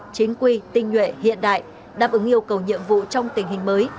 chính quy tinh nhuệ hiện đại đáp ứng yêu cầu nhiệm vụ trong tình hình mới